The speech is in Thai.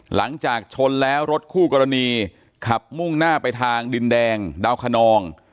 หลังจากชนแล้วรถคู่กรณีขับมุ่งหน้าไปทางดินแดงดาวคนอง